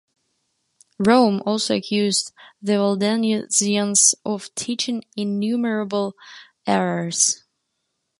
Rome also accused the Waldensians of teaching innumerable errors.